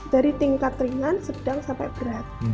dari tingkat ringan sedang sampai berat